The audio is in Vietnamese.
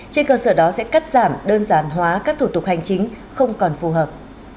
trên cơ sở đó sẽ cắt giảm đơn giản hóa các thủ tục hành chính không còn phù hợp